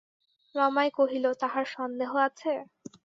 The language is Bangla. রমাই কহিল, তাহার সন্দেহ আছে!